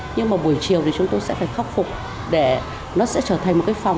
nhưng mà buổi chiều thì chúng tôi sẽ phải khắc phục để nó sẽ trở thành một cái phòng